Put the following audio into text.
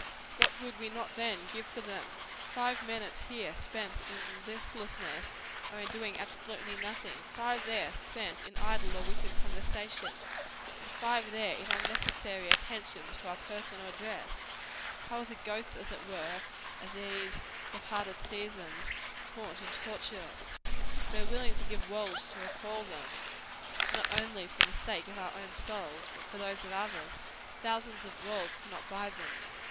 What would we not then give for them? Five minutes here, spent in listlessness, or in doing absolutely nothing; five there, spent in idle or wicked conversation; and five there, in unnecessary attentions to our person or dress how will the ghosts, as it were, of these departed seasons, haunt and torture us! Though willing to give worlds to recall them not only for the sake of our own souls, but for those of others thousands of worlds cannot buy them.